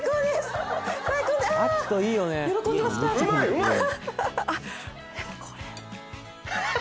うまい！